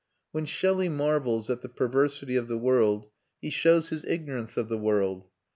When Shelley marvels at the perversity of the world, he shows his ignorance of the world.